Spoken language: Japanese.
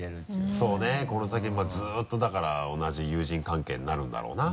そうねこの先ずっとだから同じ友人関係になるんだろうな。